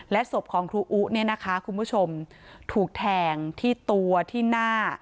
ศพของครูอุเนี่ยนะคะคุณผู้ชมถูกแทงที่ตัวที่หน้า